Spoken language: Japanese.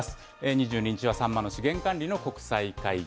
２２日はサンマの資源管理の国際会議。